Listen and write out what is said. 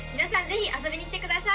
ぜひ遊びに来てください。